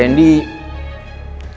pak randy dia mau ketemu sama irsa